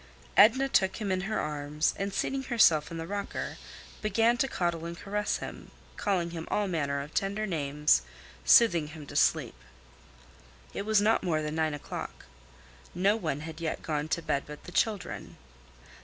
Edna took him in her arms, and seating herself in the rocker, began to coddle and caress him, calling him all manner of tender names, soothing him to sleep. It was not more than nine o'clock. No one had yet gone to bed but the children.